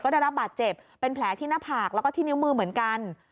ได้รับบาดเจ็บเป็นแผลที่หน้าผากแล้วก็ที่นิ้วมือเหมือนกัน